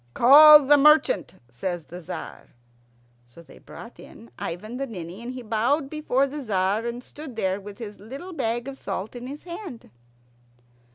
"Call the merchant," says the Tzar. So they brought in Ivan the Ninny, and he bowed before the Tzar, and stood there with his little bag of salt in his hand.